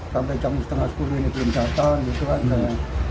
sampai jam setengah sepuluh ini belum datang gitu kan saya